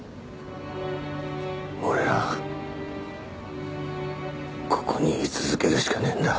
俺らはここに居続けるしかねえんだ。